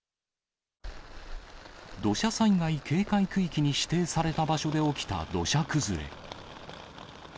土砂災害警戒区域に指定された場所で起きた土砂崩れ。